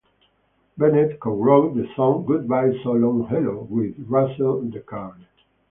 Bennett co-wrote the song "Goodbye, So Long, Hello" with Russell deCarle.